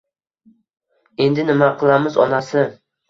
Endi nima qilamiz onasi